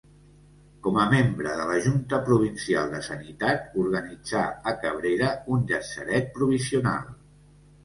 Com a membre de la Junta Provincial de Sanitat organitzà a Cabrera un llatzeret provisional.